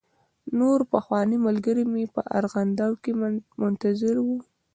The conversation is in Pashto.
نور پخواني ملګري مې په ارغنداو کې منتظر و.